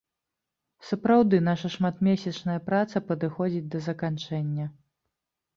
Сапраўды, наша шматмесячная праца падыходзіць да заканчэння.